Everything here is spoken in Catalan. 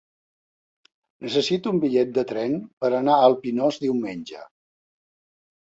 Necessito un bitllet de tren per anar al Pinós diumenge.